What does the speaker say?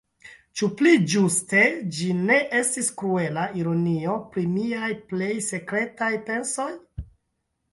Ĉu pli ĝuste ĝi ne estis kruela ironio pri miaj plej sekretaj pensoj?